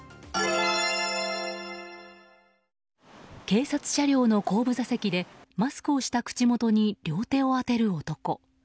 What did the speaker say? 警察車両の後部座席でマスクをした口元に両手を当てる男。